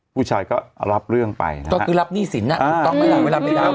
ผู้ชายก็รับเรื่องไปต้องรับหนี้สินนะ